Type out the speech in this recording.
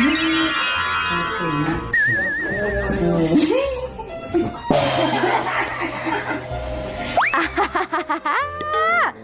หือ